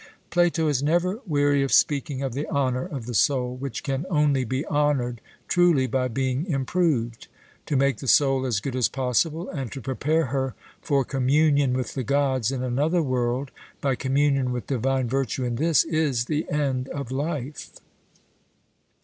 Plato is never weary of speaking of the honour of the soul, which can only be honoured truly by being improved. To make the soul as good as possible, and to prepare her for communion with the Gods in another world by communion with divine virtue in this, is the end of life.